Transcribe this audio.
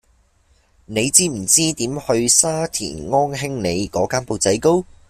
你知唔知點去沙田安興里嗰間缽仔糕